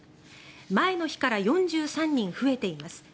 前の日から４３人増えています。